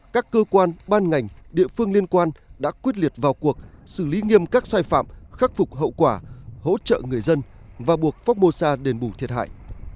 các cơ quan ban ngành địa phương liên quan đã quyết liệt vào cuộc xử lý nghiêm các sai phạm khắc phục hậu quả hỗ trợ người dân và buộc phócbosa đền bù thiệt hại